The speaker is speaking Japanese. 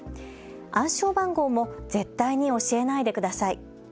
暗証番号も絶対に教えないでください。